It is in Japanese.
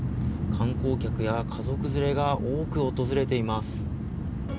観光客や家族連れが多く訪れています。